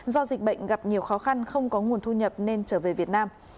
do dịch bệnh gặp nhiều khó khăn không có nguồn thu nhập nên trở về việt nam